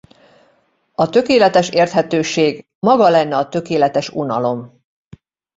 A tökéletes érthetőség maga lenne a tökéletes unalom.